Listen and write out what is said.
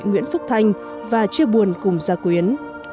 nguyễn phúc thanh và chia buồn cùng gia quyến